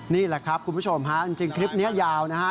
นี่แหละครับคุณผู้ชมฮะจริงคลิปนี้ยาวนะฮะ